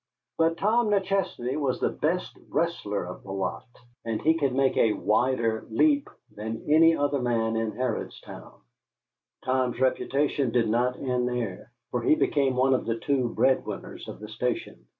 But Tom McChesney was the best wrestler of the lot, and could make a wider leap than any other man in Harrodstown. Tom's reputation did not end there, for he became one of the two bread winners of the station.